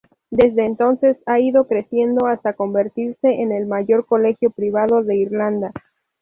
Desde entonces ha ido creciendo hasta convertirse en el mayor colegio privado de Irlanda.